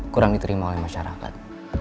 kurang diterima oleh masyarakat